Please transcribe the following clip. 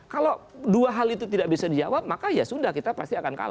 kalau dua hal itu tidak bisa dijawab maka ya sudah kita pasti akan kalah